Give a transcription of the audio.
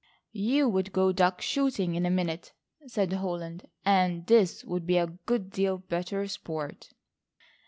"You would go duck shooting in a minute," said Holland, "and this would be a good deal better sport."